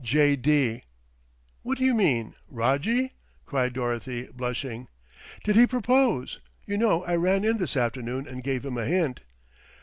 "J. D." "What do you mean, Rojjie?" cried Dorothy, blushing. "Did he propose? You know I ran in this afternoon and gave him a hint."